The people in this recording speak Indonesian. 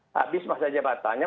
habis masa jabatannya